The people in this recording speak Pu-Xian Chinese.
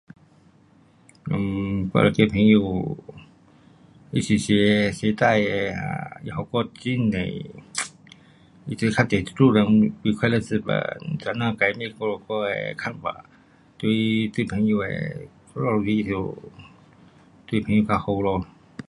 um 我一个朋友有一起学，学事情，他给我很多 um 他这较多是助人为快乐之本。先生改变我们，我的看法。对，对朋友的我们来时，对朋友较好咯。